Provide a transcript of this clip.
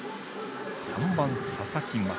３番、佐々木誠。